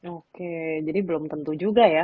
oke jadi belum tentu juga ya